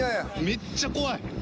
めっちゃ怖い。